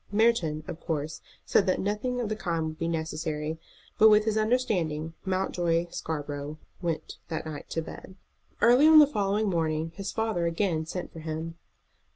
Merton, of course, said that nothing of the kind would be necessary; but with this understanding Mountjoy Scarborough went that night to bed. Early on the following morning his father again sent for him.